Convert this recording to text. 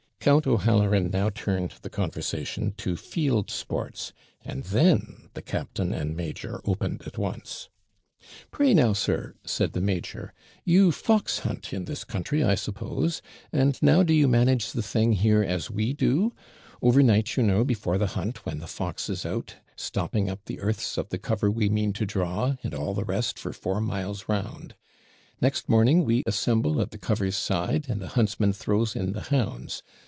Count O'Halloran now turned the conversation to field sports, and then the captain and major opened at once. 'Pray now, sir?' said the major, 'you fox hunt in this country, I suppose; and now do you manage the thing here as we do? Over night, you know, before the hunt, when the fox is out, stopping up the earths of the cover we mean to draw, and all the rest for four miles round. Next morning we assemble at the cover's side, and the huntsman throws in the hounds.